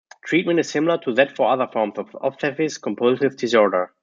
Treatment is similar to that for other forms of obsessive-compulsive disorder.